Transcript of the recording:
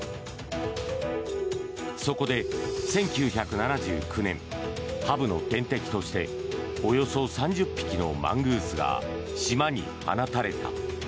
そこで１９７９年ハブの天敵としておよそ３０匹のマングースが島に放たれた。